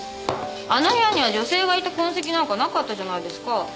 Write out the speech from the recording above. あの部屋には女性がいた痕跡なんかなかったじゃないですか？